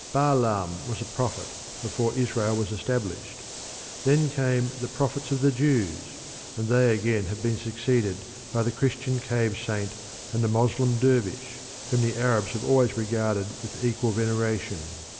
Balaam was a prophet before Israel was established. Then came the prophets of the Jews, and they again have been succeeded by the Christian cave saint and the Moslem dervish, whom the Arabs have always regarded with equal veneration.